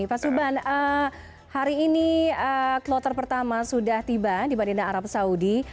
pak suban hari ini kloter pertama sudah tiba di madinah arab saudi